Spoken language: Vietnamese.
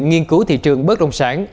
nghiên cứu thị trường bất đồng sản